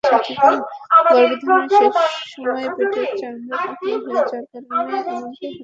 গর্ভধারণের শেষ সময়ে পেটের চামড়া পাতলা হয়ে যাওয়ার কারণে এমনটা হয়ে থাকে।